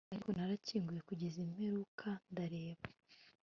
Ariko narakinguye kugeza imperuka Ndareba